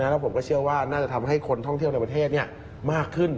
แล้วผมก็เชื่อว่าน่าจะทำให้คนท่องเที่ยวในประเทศมากขึ้น